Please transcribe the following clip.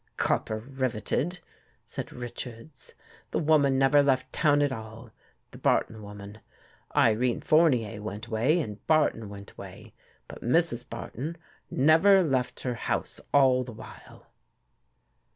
"" Copper riveted/' said Richards. " The woman never left town at all — the Barton woman. Irene Fournier went away and Barton went away. But Mrs. Barton never left her house all the while."